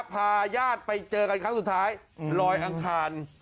พาญาติไปเจอกันครั้งสุดท้ายลอยอังคาร